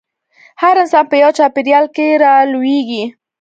هر انسان په يوه چاپېريال کې رالويېږي.